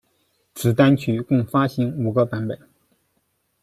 此单曲共发行五个版本。